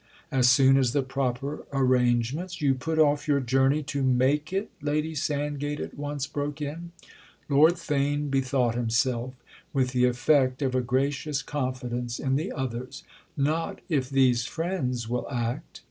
"As soon as the proper arrangement——" "You put off your journey to make it?" Lady Sand gate at once broke in. Lord Theign bethought himself—with the effect of a gracious confidence in the others. "Not if these friends will act."